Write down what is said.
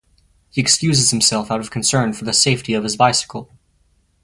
He excuses himself out of concern for the safety of his bicycle.